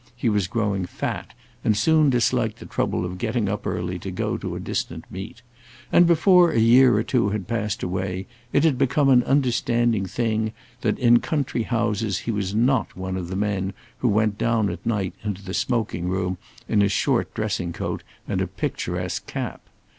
He was growing fat, and soon disliked the trouble of getting up early to go to a distant meet; and, before a year or two had passed away, it had become an understood thing that in country houses he was not one of the men who went down at night into the smoking room in a short dressing coat and a picturesque cap.